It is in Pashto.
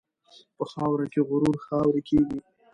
په خاوره کې غرور خاورې کېږي.